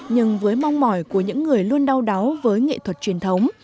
nhưng với mong mỏi của những người luôn đau đáu với nghệ thuật truyền thống